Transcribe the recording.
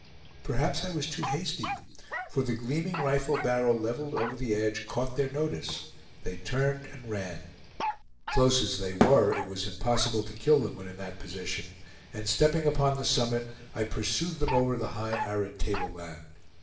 Perhaps I was too hasty, for the gleaming rifle barrel leveled over the edge caught their notice; they turned and ran. Close as they were, it was impossible to kill them when in that position, and stepping upon the summit I pursued them over the high arid tableland.